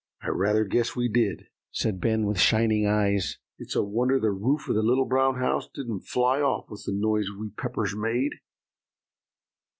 "I rather guess we did," said Ben, with shining eyes; "it's a wonder the roof of The Little Brown House didn't fly off with the noise we Peppers made."